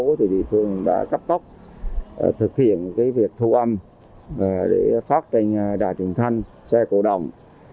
các cơ quan công sở đã cấp tốc thực hiện việc thu âm để phát trình đà trường thanh xe cổ đồng